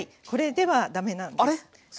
これではダメなんです。